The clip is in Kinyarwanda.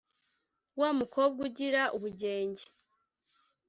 Wa Mukobwa ugira ubugenge